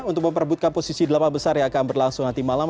untuk memperbutkan posisi delapan besar yang akan berlangsung nanti malam